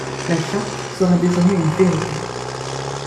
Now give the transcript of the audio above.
La Charte sera désormais une vérité!